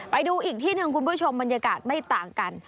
ไปดูอีกที่หนึ่งคุณผู้ชมบรรยากาศไม่ต่างกัน